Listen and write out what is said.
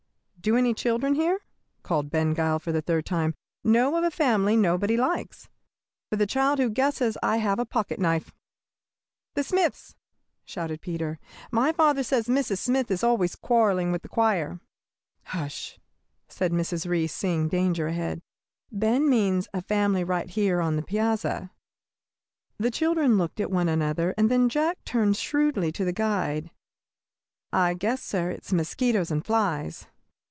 "Do any children here," called Ben Gile, for the third time, "know of a family nobody likes? For the child who guesses I have a pocket knife." "The Smiths!" shouted Peter. "My father says Mrs. Smith is always quarrelling with the choir." "Hush!" said Mrs. Reece, seeing danger ahead. "Ben means a family right here on the piazza." The children looked at one another, and then Jack turned shrewdly to the guide. "I guess, sir, it is mosquitoes and flies."